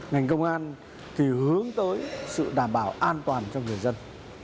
ngành công an thì hướng tới sự đảm bảo an toàn cho người dân